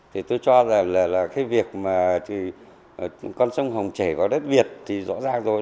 thì tôi cho rằng là cái việc mà con sông hồng chảy vào đất việt thì rõ ràng rồi